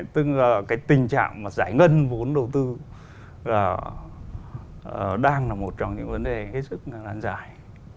tức là cái tình trạng giải ngân vốn đầu tư đang là một trong những vấn đề rất là giải